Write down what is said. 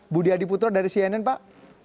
budi adiputro dari cnn pak